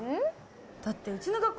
だってうちの学校